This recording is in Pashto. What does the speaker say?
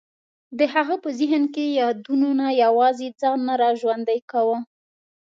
د هغه په ذهن کې یادونو نه یوازې ځان نه را ژوندی کاوه.